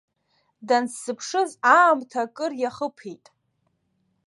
Дансзыԥшыз аамҭа акыр иахыԥеит.